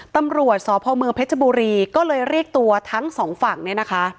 ตำรวจสพเมืองเพชรบุรีก็เลยเรียกตัวทั้งสองฝั่งเนี่ยนะคะ